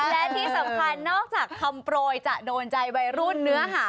และที่สำคัญนอกจากคำโปรยจะโดนใจวัยรุ่นเนื้อหา